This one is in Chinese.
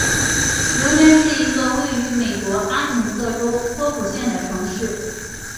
伦敦是一个位于美国阿肯色州波普县的城市。